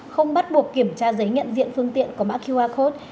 không bắt buộc kiểm tra giấy nhận diện phương tiện có mã qr code